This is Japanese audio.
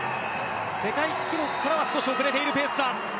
世界記録からは少し遅れているペースだ。